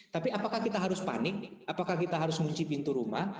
tapi apakah kita harus panik apakah kita harus ngunci pintu rumah